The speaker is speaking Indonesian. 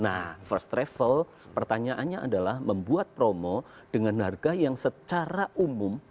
nah first travel pertanyaannya adalah membuat promo dengan harga yang secara umum